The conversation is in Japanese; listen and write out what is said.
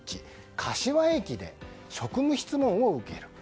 柏駅で職務質問を受ける。